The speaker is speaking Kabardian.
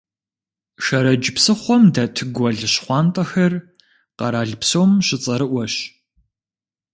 Шэрэдж псыхъуэм дэт Гуэл щхъуантӀэхэр къэрал псом щыцӀэрыӀуэщ.